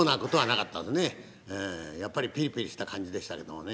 やっぱりピリピリした感じでしたけれどもね。